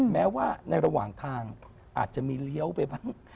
แม้ว่าในระหว่างทางอาจจะมีเลี้ยวไปบ้าง